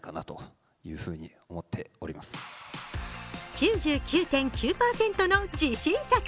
９９．９％の自信作。